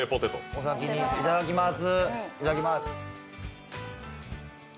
お先にいただきます。